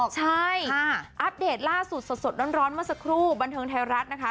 ใช่อัปเดตล่าสุดสดร้อนเมื่อสักครู่บันเทิงไทยรัฐนะคะ